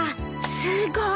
すごーい。